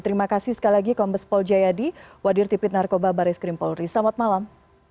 terima kasih sekali lagi kombes pol jayadi wadir tipit narkoba baris krim polri selamat malam